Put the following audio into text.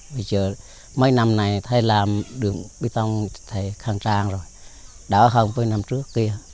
bây giờ mấy năm này thay làm đường bê tông thay khăn trang rồi đỡ hơn với năm trước kia